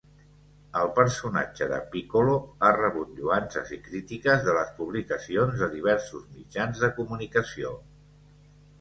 El personatge de Piccolo ha rebut lloances i crítiques de les publicacions de diversos mitjans de comunicació.